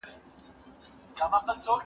غويی د وښو په زور چلېږي، هل د مټ په زور.